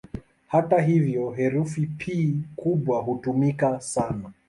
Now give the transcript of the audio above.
Hata hivyo, herufi "P" kubwa hutumika sana.